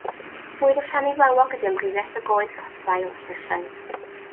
Bwyd y siani flewog ydy amrywiaeth o goed collddail a llysiau.